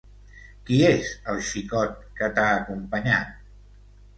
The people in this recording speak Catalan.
Qui és el xicot que t'ha acompanyat?